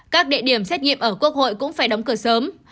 các địa điểm xét nghiệm ở quốc hội cũng phải đóng cửa sớm